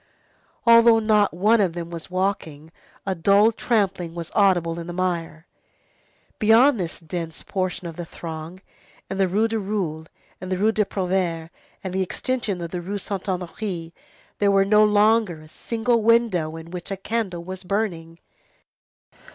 Although not one of them was walking, a dull trampling was audible in the mire. Beyond this dense portion of the throng, in the Rue du Roule, in the Rue des Prouvaires, and in the extension of the Rue Saint Honoré, there was no longer a single window in which a candle was burning.